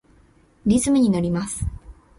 リズムにのります。